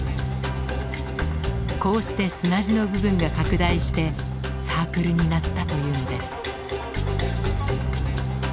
こうして砂地の部分が拡大してサークルになったというのです。